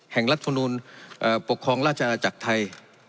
แห่งรัฐธนูรปกครองราชาจักรไทย